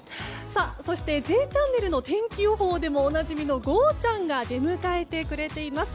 そして、「Ｊチャンネル」の天気予報でもおなじみのゴーちゃん。が出迎えてくれています。